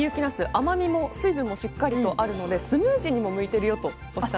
甘みも水分もしっかりとあるのでスムージーにも向いてるよとおっしゃっていました。